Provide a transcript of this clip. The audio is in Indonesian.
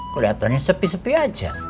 keliatannya sepi sepi aja